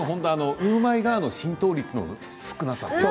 ウーマイガーの浸透率の少なさ。